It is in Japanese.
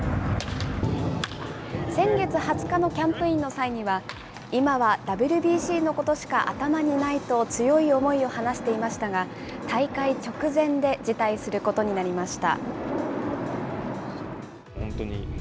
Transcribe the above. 先月２０日のキャンプインの際には、今はＷＢＣのことしか頭にないと、強い思いを話していましたが、大会直前で辞退することになりました。